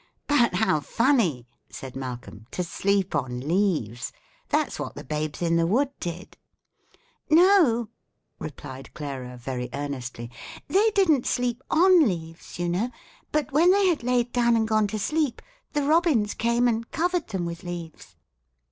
"But how funny," said Malcolm, "to sleep on leaves! That's what the Babes in the Wood did." "No," replied Clara, very earnestly, "they didn't sleep on leaves, you know; but when they had laid down and gone to sleep, the robins came and covered them with leaves."